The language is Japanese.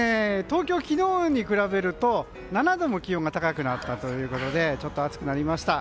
東京は昨日に比べると７度も気温が高くなったということでちょっと暑くなりました。